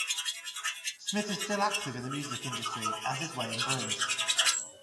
Smith is still active in the music industry, as is Wayne Bruns.